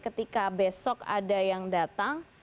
ketika besok ada yang datang